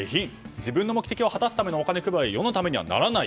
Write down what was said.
自分の目的を果たすためのお金配り世のためにはならない。